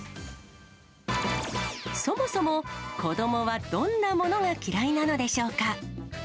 そもそも、子どもはどんなものが嫌いなのでしょうか。